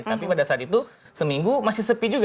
tapi pada saat itu seminggu masih sepi juga